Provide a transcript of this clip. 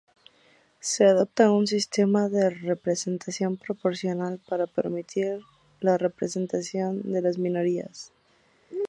Se adopta un sistema de representación proporcional para permitir la representación de las minorías.